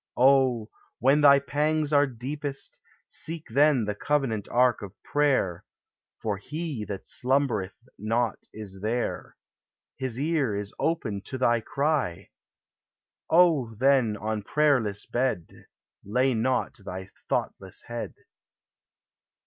Oh, when thy pangs are deepest, Seek then the covenant ark of prayer; For He that slumbereth not is there His ear is open to thy cry. Oh, then, on prayerless bed Lay not thy thoughtless head.